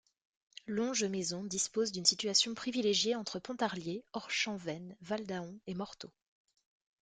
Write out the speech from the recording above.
Longemaison dispose d'une situation privilégiée entre Pontarlier, Orchamps-Vennes, Valdahon et Morteau.